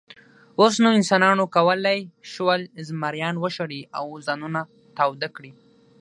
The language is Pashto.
اوس نو انسانانو کولی شول، زمریان وشړي او ځانونه تاوده کړي.